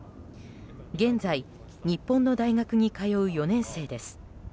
現在、日本の大学に通う４年生です。